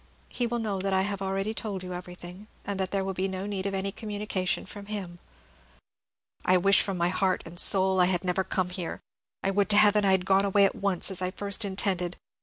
He will know that I have already told you everything, so that there will be no need of any communication from him." "I wish from my heart and soul I had never come here. I would to Heaven I had gone away at once, as I first intended.